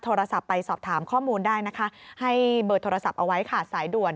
นอกจากนั้นคุณผู้ชมเรื่องของสิ่งอำนวยความสะดวก